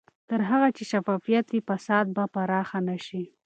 تر هغه چې شفافیت وي، فساد به پراخ نه شي.